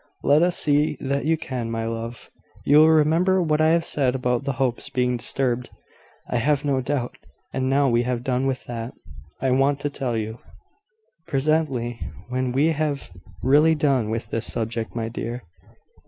"Let us see that you can, my love. You will remember what I have said about the Hopes being disturbed, I have no doubt. And now we have done with that, I want to tell you " "Presently, when we have really done with this subject, my dear.